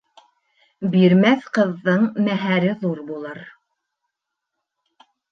Бирмәҫ ҡыҙҙың мәһәре ҙур булыр.